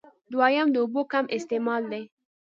دويم د اوبو کم استعمال دی